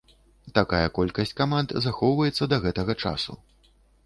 Такая колькасць каманд захоўваецца да гэтага часу.